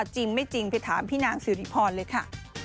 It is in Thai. จริงไม่จริงไปถามพี่นางสิริพรเลยค่ะ